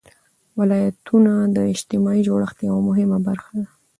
ولایتونه د اجتماعي جوړښت یوه مهمه برخه ده.